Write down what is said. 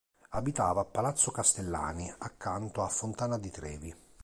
Abitava a palazzo Castellani, accanto a Fontana di Trevi.